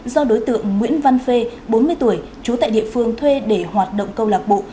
do đối tượng nguyễn văn phê bốn mươi tuổi trú tại địa phương thuê để hoạt động câu lạc bộ